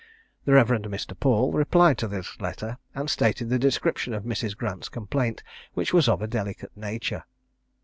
The Rev. Mr. Paul replied to this letter, and stated the description of Mrs. Grant's complaint, which was of a delicate nature.